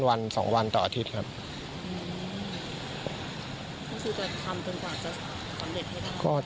วันสองวันต่ออาทิตย์ครับ